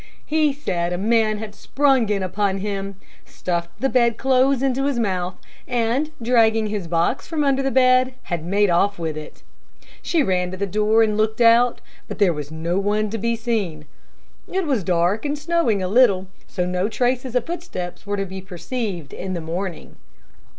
He said a man had sprung in upon him, stuffed the bedclothes into his mouth, and dragging his box from under the bed, had made off with it. She ran to the door and looked out, but there was no one to be seen. It was dark, and snowing a little, so no traces of footsteps were to be perceived in the morning.